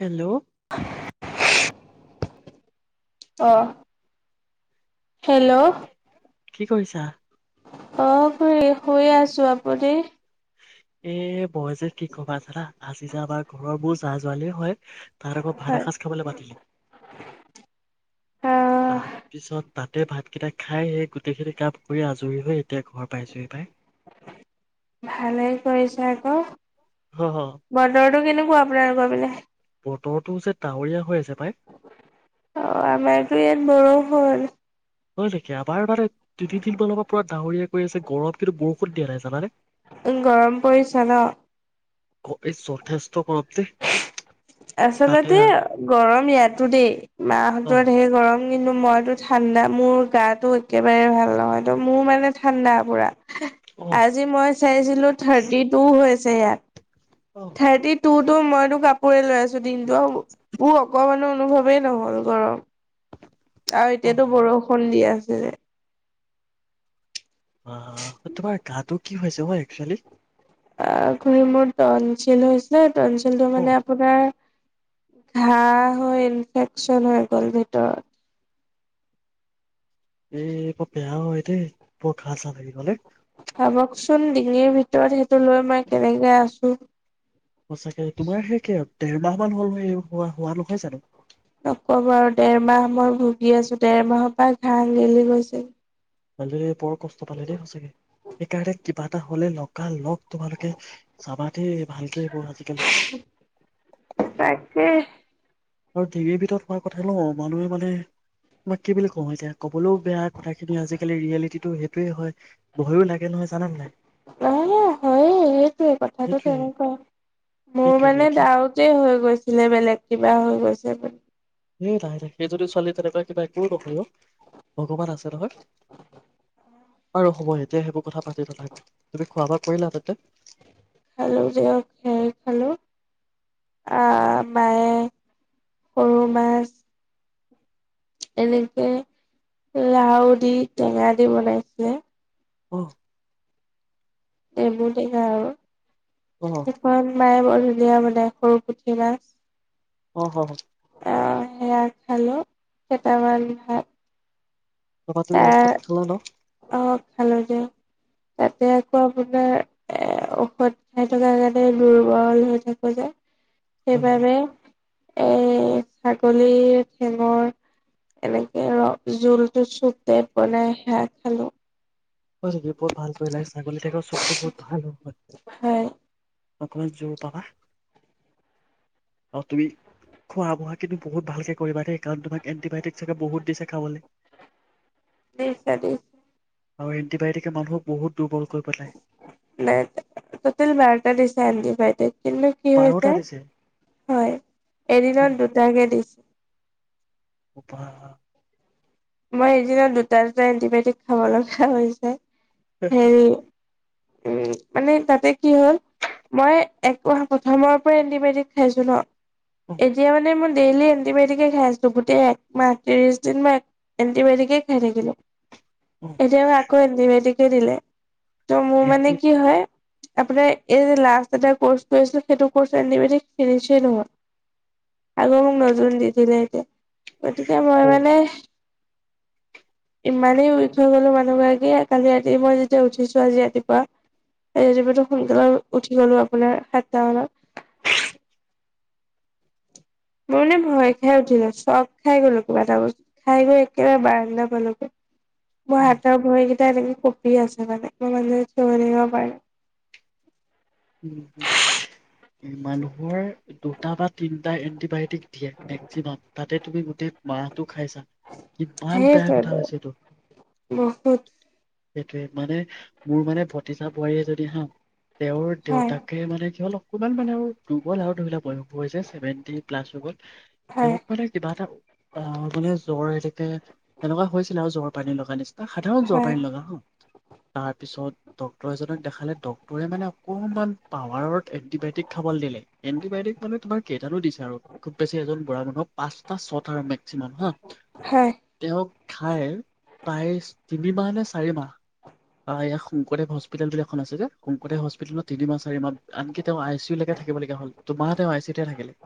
Hello. আহ hello. কি কৰিছা? অ খ শুই আছো আপুনি? এ মই যে কি ক'বা জানা আজি যা আমাৰ ঘৰৰ মোৰ যোৱা ছোৱালী হয়। তাহাঁতৰ ঘৰত ভাত হয় এসাঁজ খাবলৈ মাতিলে। আহ তাৰ পিছত তাতে ভাতকেইটা খাই সেই গোটেই খিনি কাম কৰি আজৰি হৈ। এতিয়া ঘৰ পাইছোহি পাই ভালেই কৰিছা আকৌ হয় হয় বতৰটো কেনেকুৱা? আপোনাল লগৰ পিনে বতৰটো যে ডাৱৰীয়া। হৈ আছে পাই। অ আমাৰতো ইয়াত বৰষুণ । হয় নেকি আমাৰ মানে। তিল বনাব পৰা ডাৰীয়া কৈ আছে গৰম কিন্তু বৰষুত দিয়া নাই জানানে। উ গৰম পৰিছে ন'। এই যথেষ্ট গৰম দেই। তাতে আচলতে আ- গৰম ইয়াতো দেই মাহ অ হতৰ ধেই গৰম। কিন্তু মইতো ঠাণ্ডা মোৰ গাটো একেবাৰে ভাল নহয় তো মোৰ মানে ঠাণ্ডা পুৰা। অ আজি মই চাইছিলো থাৰ্টি টু হৈ। এইয়াত অ থাৰটি টো ত মইতো কাপোৰে লৈ আছো দিনটো বোৰ অকমানো অনুভৱেই নহল গৰম আৰু অ এতিয়াতো বৰষুণ দিয়া উ [unintelligible] অ তোমাৰ গাটো কি হৈছে হয় একচুৱেলি অ ঘুৰি মোৰ টনঞ্চিল হৈছিলে। টনশিলটো অ মানে আপোনাৰ ঘাঁ হৈ ইনফেকচন হৈ গ'ল ভিতৰত। এ বৰ বেয়া হয় দেই বৰ ঘাঁ চা লাগে গলে। ভাবকচোন ডিঙিৰ ভি ভিতৰত সেইটো লৈ মই কেনেকে আছো সঁচাকে তোমাৰ সে কে দেৰ মাহ মান হ'ল হোৱা হোৱা নহয় জানো। নক বাৰু দেৰমাহ মই ভুগি আছো দেৰ মাহৰ পৰা ঘাহ গেলি গৈছিল মজে পৰ কষ্ট পালে দেই সঁচাকে। সেইকাৰণে কিবা এটা হলে লগা লগ তোমালোকে চাবা দেই । ভালকে পঢ়া আজিকালি । তাকে আৰু ডিঙিৰ ভিতৰত হোৱা কথা ন । মানুহে মানে তোমাক কি বুলি কওঁ, এতিয়া কবলৈও বেয়া কথাখিনি আজিকালি ৰিয়েলিটিটো সেইটোৱেই হয়, ভয়ো লাগে নহয় জানা নে নাই? অ হয়ে এইটোৱে কথাটো সেইটোৱে তেনেকুৱাই । মোৰ সেইটোৱে মানে এতিয়া ডাউতে হৈ গৈছে । ছিলে বেলেগ কিবা হৈ গৈছে বোলি [unintelligible] এ লাহে লাহে সেই যদি ছোৱালী তেনেকুৱা কিবা একো নকয় অও ভগৱান আছে । হত [unintelligible] আৰু সময় এতিয়া সেইবোৰ কথা পাতি নাথাকে । তুমি খোৱা বোৱা কৰিলা তেন্তে খালো যিহক সে খালোঁ আহ মায়ে সৰু মাছ এনেকে লাউ দি টেঙা দি বনাইছে । অ । নেমু টেঙা আৰু অ একুৱন মায়ে বৰ ধুনীয়া বনাই সৰু পুঠি মাছ । অহ হয়। সেয়া খালো কেইটামান ভাত । তাপা তুমি ঔষধ খালা ন? অ খালো দিয়া । তাতে আকৌ আপোনাৰ, এ ঔষধ খাই থকা কাৰণে দুৰ্বল হৈ থাকো যে । হয় সেইবাবে । এ ছাগলীৰ ঠেঙৰ এনেকে ৰ জোলটো চুপ টাইপ বনাই শাত । খালো । হয়নেকি বহুত ভাল কৰিলা । ছাগলী ঠেঙৰ চুপটো বহুত ভাল হয় ঔষধ। অকমান জোৰ পাবা আৰু তুমি খোৱা বোৱা কিন্তু বহুত ভালকে কৰিবা দেই। গানটোভাগ এণ্টিবায়টিক চাগে বহুত দিছে খাবলে দিছে দিছে । আৰু এণ্টিবায়টিকে মানুহক বহুত পেলাই নাই ত তেল বাৰটা দিচাইন দিয় [unintelligible] বেটে [unintelligible] কিন্তু কি বাৰটা হৈছে দিছে হয়, অ এদিনত দুটাকে দিছে । উপহাৰ। মই এদিনত দুটা- দুটা এন্টিবায়টিক খাব লগা হৈছে । উম । উম, মানে তাতে কি হল মই এক মাহৰ প্ৰথমৰ পৰাই এণ্টিবায়টিক খাইছো ন অ । এতিয়া মানে ইমান ডেইলি এণ্টিবায়টিকে খাই আছিলো গোটেই একমাহ ত্ৰিশ দিন বা এণ্টিবায়টিকে খাই থাকিলো। অ এতিয়া মই আকৌ এণ্টিমেটিক ৰিলে। ত মোৰ মানে এণ্টি কি হয় আপোনাৰ এই লাষ্ট এ কৰ্চ কৰিছিল সেইটো নহয় আকৌ মোক নজুন দি দিলে এতিয়া। গতিকে মই অ মানে ইমানেই ৱীক হৈ গলো মানুহ গ আগে কালি ৰাতি মই যেতিয়া উঠিছো। আজি ৰাতিপুৱা - ৰাতিপুৱা সোনকালে উঠি গলো আপোনাৰ সাতটা মানত। মোৰামানে ভয় খাই উঠিলো চব খাই গলো কিবা এটা বস্তু খাই গৈ একেবাৰে বাৰান্ধা পালোগৈ [unintelligible] অ মই হাতৰ ভৰি কেইটাই থাকি [unintelligible] কপি আছে মানে ম মানে চৰেগ প [unintelligible] উম, মানুহৰ দুটা বা তিন। এণ্টিবায়'টিক দিয়ে মেক্সিমাম তাতে তুমি গোটেই মাহটো খাইছা কিমান বেয়া কথা সেইটোৱেটো হৈছে এটো। বহুত সেইটোৱে মানে মোৰ মানে ভতিজা বোৱাৰীয়ে যদি হা তেওঁৰ হয় দেউতাকে মানে কি হ'ল অকণমান মানে আৰু দুুৰ্বল আৰু ধৰি লক বয়সো হৈছে ছেভেটি প্লাছ হৈগল। হয় সেহক মানে কিবা এটা অ মানে জ্বৰ এনেকে তেনেকুৱা হৈছে। ন জ্বৰ পানী লগা নিচিনা সাধাৰণ জ্বৰ হয় পানী লগা তাৰপিছত ডক্তৰ এজনক দেখালে ড পৰি মানে অকমান পাৱাৰত এণ্টিবায়টিক খাবলৈ দিলে এণ্টিবায়টিক মানে তোমাৰ কেইটানো দিছে আৰু খুব বেছি এজন বুঢ়া মানুহক পাঁচটা ছটা আৰু মেক্সিমাম হা হয় তেওঁক খাই প্ৰায় তিনি মাহ নে চাৰি মাহ ইয়াক শংকৰদেৱ হস্পিতেল বুলি এখন আছে যে শংকৰদেৱ হস্প হস্পিতেলত তিনিমাহ চাৰি মাহ আনকি তেওঁ আই চি ইউ লৈকে থাকিবলগীয়া হ'ল তোমাহ তেওঁ আই চি তে থাকিলে ।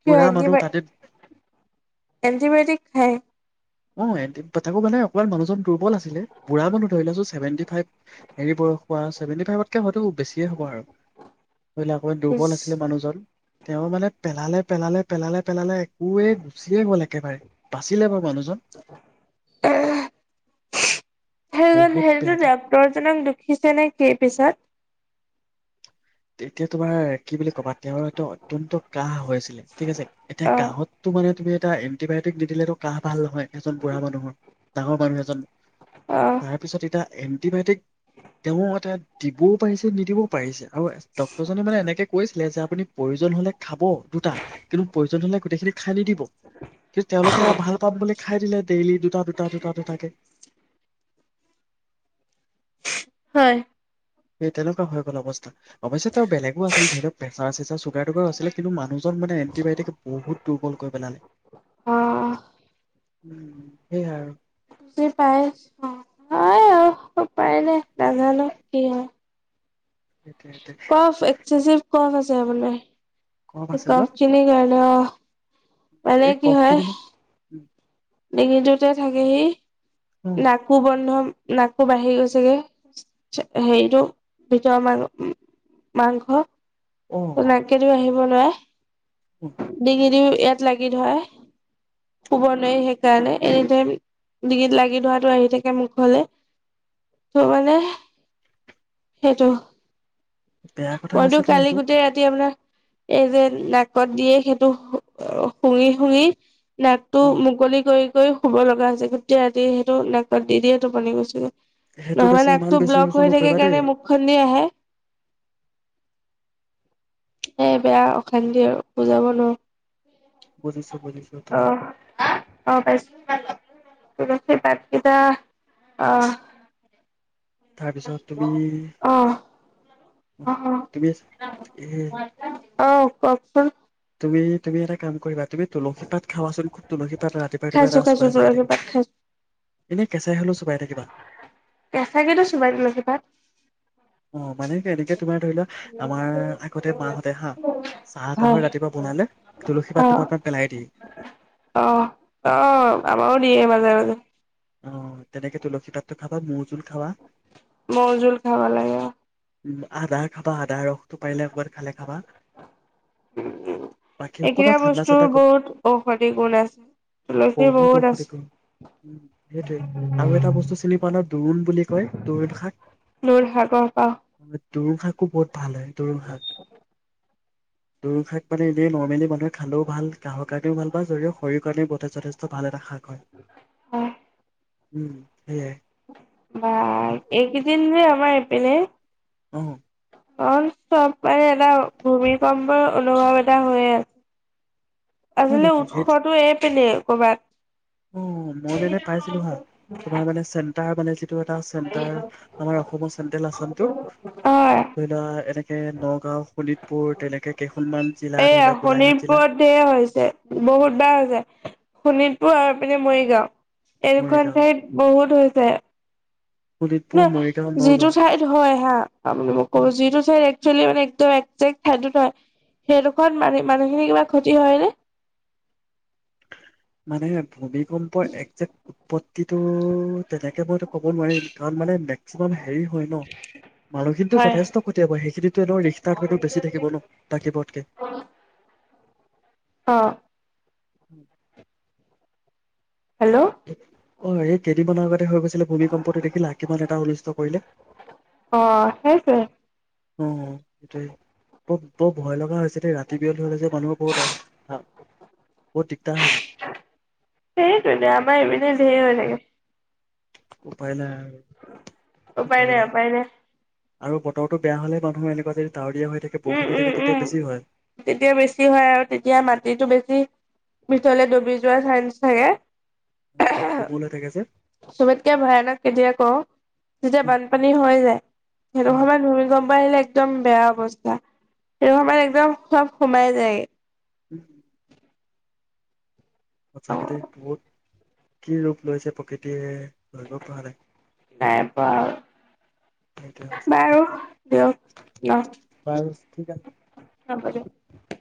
কিয় এনটি এটিবায়টিক খাই। অ এ তাক মানে অকণমান মানুহজন দুৰ্বল আছিলে বুঢ়া মানুহ ধৰিলোৱা চোন চেভেনটি ফাইভ হেৰি বয়সোৱা চছেভেটি ফাইভতকে হয়তো বেছিয়ে হ'ব আৰু ধৰি অকণমান ইচ দুৰ্বল আছিলে মানুহজন। তেওঁ মানে পেলালে পেলালে পেলালে পেলালে একোৱে গুচিয়ে গল একেবাৰে বাচিলে বাৰু মানুহজন। সেইজন বহুত বেয়া সেইটোতো দে ডাক্তৰজনক দুখিছে নে কি পিছত? তেতিয়া তোমাৰ কি বুলি ক'বা তেওঁৰ এটো অত্যন্ত কাহ হৈ আছিলে ঠিক আছে এতিয়া অ কাহতটো মানে তুমি এ এণ্টিবায়টিক দি দিলে তো কাহ ভাল নহয়। এজন বুঢ়া মানুহৰ। ডাঙৰ মানুহ এজন অ তাৰপিছত এতিয়া এণ্টিবায়টিক তেওঁ এটা দিবও পাৰিছে নিদিবও পাৰিছে আৰু ডক্তৰজনে মানে এনেকে কৈছিলে যে আপুনি প্ৰয়োজন হলে খাব দুটা, কিন্তু প্ৰয়োজন নহলে গোটেইখিনি খাই নিদিব কিন্তু তেওঁলোকে ভাল পাম বুলি খাই দিলে ডেইলি দুটা -দুটা, দুটা -দুটা কে। হয়। সেই তেনেকুৱা হৈ গল অৱস্থা অৱশ্যে তেওঁৰ বেলেগো আছিল ধৰি লওঁক প্ৰেচাৰ চেচাৰ চুগাৰ তুগাৰ আছিলে কিন্তু মানুহজন মানে এণ্টিবায়টিকে বহুত দুৰ্বল কৰি পেলালে, অ উ সেয়াই আৰু। তুমি পায়ে অঁ। পায়নে নাজানো কি হয়। সেইটোৱে সেইটোৱে। কফ এক্সেচিভ কফ হৈছে মানে। আছে ন কফ খিনি কাৰণে অঁ। এই কফ কি দিম ডিঙিটোতে থাকেহি নাকো বন্ধ নাকটো বাঢ়ি গৈছেগে, হেৰিটো ভিতৰ মাঙ মাংস অ ত' নাকেদি আহিব নোৱাৰে। অ ডিঙি দিও ইয়াত লাগি ধৰে, শুব নোৱাৰি সেইকাৰণে এনি টাইম ডিঙিত লাগি ধৰাটো আহি থাকে মুখলে। ত' মানে সেইটো। বেয়া কথা মইতো হৈছে নহয় কালি সেইটো গোটেই ৰাতি আপোনাৰ এই যে নাকত দিয়ে, সেইটো শুঙি-শুঙি নাকটো অ মুকলি কৰি কৰি শুব লগা হৈছে, গোটেই ৰাতি সেইটো নাকত দি দিয়ে টোপনি গৈছো গে। সেইটো নহ'লে বেছি ইমান নাকটো বেছি ব্লক ইউজো হৈ থাকে নকৰিবা দেই কাৰণে মুখখন দি আহে। এ বেয়া অশান্তি আৰু বুজাব বুজিছো বুজিছো নোৱাৰো। তোমাৰ অঁ- অ পাইছোঁ। তুলসী পাত কিতা, অঁ। তাৰপিছত তুমি অঁ। [unintelligible] অঁ কওকচোন। তুমি-তুমি এটা কাম কৰিবা তুমি তুলসী পাত খাবা চোন খুব তুলসী পাত ৰাতিপুৱাই- ৰাতিপুৱাই খাইছো এটা খাইছো চোবাই চোবাই তুলসী পাত খাইছো থাকিব এনেই কেঁচাই হ'লেও চোবাই থাকিবা। কেঁচাকে তো চোবাই তুলসী পাত। অঁ মানে কেনেকে তোমাৰ ধৰি লোৱা, আমাৰ আগতে মাহঁতে হাঁ চাহ তাহৰ হয় ৰাতিপুৱা বনালে তুলসী পাতটো অ'। দুপাহমান পেলাই দিয়ে। অ', অ', আমাৰো দিয়ে [inaudible] অঁ তেনেকে তুলসী পাতটো খাবা, মৌজোলো খাবা। মৌ জোল খাব লাগে অঁ উম, আদা খাবা আদাৰ ৰস টো পাৰিলে অকমান খালে খাবা, বাকী অকমান এইকেইটা ঠাণ্ডা বস্তুৰ চান্দা কম, বহুত ঔষধি গুণ আছে। তুলসীৰ বহুত ঔষধি আছে, গুণ উম সেইটোৱে আৰু এটা বস্তু চিনি পোৱা নহয় দোৰুণ বুলি কয় দোৰুণ শাক দূৰ সাগৰ পাওঁ দোৰুন শাকো বহুত ভাল হয়, দোৰুণ শাক। দুৰুন শাক মানে এনে নৰ্মেলি মানুহে খালেও ভাল কাঁহৰ কাৰণেও ভাল বা যদিও শৰীৰৰ কাৰণেও ব যথেষ্ট ভাল এটা শাক হয়। হয়। উম। সেয়াই বা এইকেইদিন হে আমাৰ এই পিনে অ'। অ', চব মানে এটা ভূমিকম্পৰ অনুভৱ এটা হৈ আছে। হয় আজিলে নেকি সেই উৎসটো এইপিনে। ক'ৰবাত। অ' মই মানে পাইছিলো হা তোমাৰ মানে চেন্টাৰ মানে যে সেইটো এটা চেণ্টাৰ আমাৰ অসমৰ চেন্টেল আসাম টো হয়। ধৰি লোৱা এনে কে নগাঁও শোণিতপুৰ তেনেকে কেইখন এইয়া শোণিতপুৰত ধেৰ হৈছে বহুত বাৰ হৈছে শোণিতপুৰ আৰু এইপিনে মৰিগাঁও। এইকেইখন মৰিগাঁও, ঠাইত বহুত হৈছে। ছে। শোণিতপুৰ, নে মৰিগাঁও, যিটো নগাঁও ঠাইত হয় হা। আপুনি মোক কব যিটো ঠাইত এক একিলিছ মানে একদম এক্ জেক ঠাইডোখৰ সেই ডোষৰ মানে মানুহখিনি কিবা ক্ষতি হয় নে । মানে ভূমিক ভূমিকম্প একেক্ট উৎপত্তিটো তেনেকে মইতো ক'ব নোৱাৰিম কাৰণ মানে মেক্সিমাম হেৰি হয় ন মানুহখিনিতো হয়। যথেষ্ট কঠীয়াব সেইখিনিত। [unintelligible] বেছি থাকিব ন বাকী বাৰতকে । অ'। হু। হেল্ল'। অ' এই কেইদিন মানৰ আগতে হৈ গৈছে। ভূমিকম্পটো দেখিলা কিমান এটা অনিষ্ট কৰিলে। অ' সেইহে । অ' গোটেই বট বৰ ভয় লগা হৈছে। যেতিয়া ৰাতি বিয়ল হলে যে মানুহৰ বহুত বহুত দিগদাৰ হ'ব। সেইটোৱে আমাৰ এইপিনে ধেৰ হৈ থাকে। উপাই নাই আৰু। কি উপাই নাই কৰিবা। উপায় নাই। আৰু বতৰটো বেয়া হলে মানুহে এনেকুৱা যে উম উম উম তেতিয়া বেছি হয় আৰু তেতিয়া মাটিটো বেছি ভিতৰলে ডুবি যোৱা চান্স থাকে। [unintelligible] থাকে যে। চবতকে ভয়ানক কেতিয়া কও, যেতিয়া বানপানী হৈ যায় সেইটো সময়ত ভূমিকম্প মোবাইল একদম বেয়া অৱস্থা, সেই সময়ত একদম সব সোমাই যায়গে। [inaudible] অ সচাকে দেই বহুত। কি ৰূপ লৈছে প্ৰকৃতিয়ে ধৰিব পৰা নাই। নাই পোৱা অ' সেইটোৱে সঁচাকে দেই। বাৰু দিয়ক ন বাৰু ঠিক আছে। হ'ব দিয়ক।